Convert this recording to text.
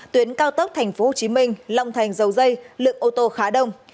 tuyến cao tốc thành phố hồ chí minh long thành dầu dây lượng ô tô khá đông